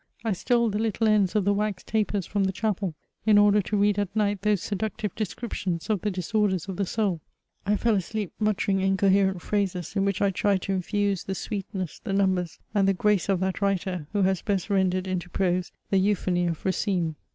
I stole the little ends of the wax tapers from the chapel, in order to read at night those seductive descriptions of the disorders of the soul. I fell asleep muttering inco herent phrases, in which I tried to infuse the sweetness, the numbers, and the grace of that writer, who has best rendered into prose the euphony of Racine.